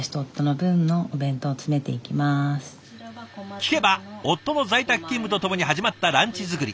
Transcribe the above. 聞けば夫の在宅勤務とともに始まったランチ作り。